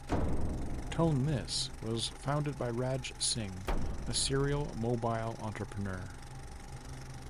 ToneThis was founded by Raj Singh, a serial mobile entrepreneur.